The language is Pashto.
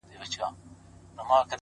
• که په ژړا کي مصلحت وو، خندا څه ډول وه،